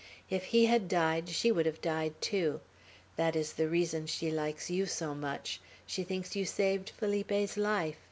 If he had died, she would have died too. That is the reason she likes you so much; she thinks you saved Felipe's life.